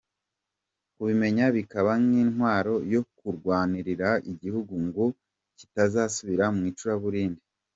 Kubimenya bikaba nk’intwaro yo kurwanirira igihugu ngo kitazasubira mu icuraburindi.